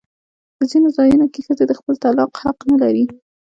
په ځینو ځایونو کې ښځې د خپل طلاق حق نه لري.